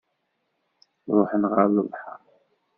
Ruḥen ɣer lebḥer.